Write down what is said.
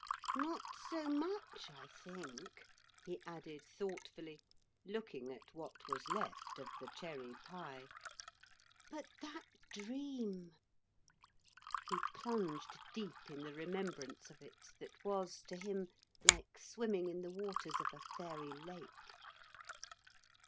Not so much I think,' he added thoughtfully, looking at what was left of the cherry pie. 'But that dream ' He plunged deep in the remembrance of it that was, to him, like swimming in the waters of a fairy lake.